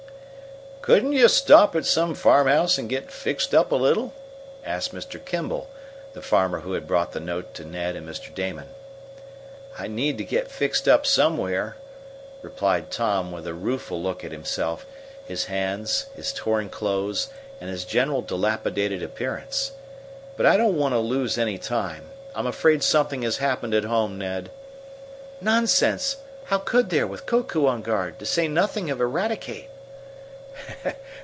"Couldn't you stop at some farmhouse and get fixed up a little?" asked Mr. Kimball, the farmer who had brought the note to Ned and Mr. Damon. "I need to get fixed up somewhere," replied Tom, with a rueful look at himself his hands, his torn clothes, and his general dilapidated appearance. "But I don't want to lose any time. I'm afraid something has happened at home, Ned." "Nonsense! How could there, with Koko on guard, to say nothing of Eradicate!"